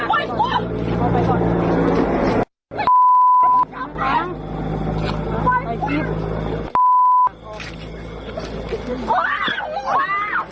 โดดมาโดดมา